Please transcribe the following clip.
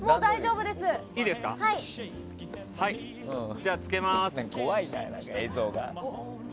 じゃあ、つけます。